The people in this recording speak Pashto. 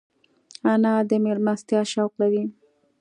انا د مېلمستیا شوق لري